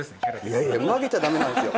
いやいや曲げちゃダメなんですよ